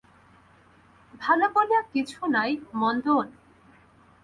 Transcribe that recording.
ভাল বলিয়া কিছু নাই, মন্দও নাই।